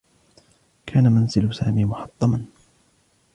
كان منزل سامي محطّما.